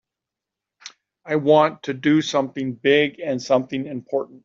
I want to do something big and something important.